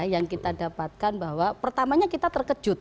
yang kita dapatkan bahwa pertamanya kita terkejut